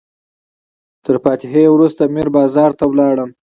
تر فاتحې وروسته میر بازار ته لاړم.